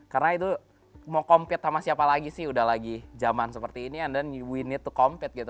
karena itu mau compete sama siapa lagi sih udah lagi zaman seperti ini and then new yo net to compete gitu